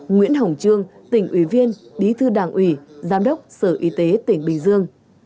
nguyễn hồng trương tỉnh ủy viên bí thư đảng ủy giám đốc sở y tế tỉnh bình dương